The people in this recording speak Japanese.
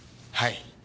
はい。